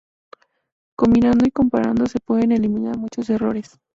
Combinando y comparando se pueden eliminar muchos errores.